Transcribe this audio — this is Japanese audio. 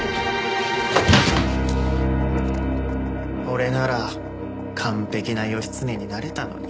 俺なら完璧な義経になれたのに。